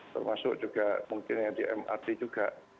termasuk juga mungkin yang di mrt juga